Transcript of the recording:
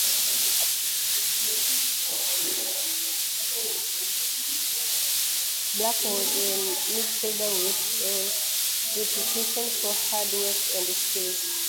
Black was a midfielder with a reputation for hard work and skill.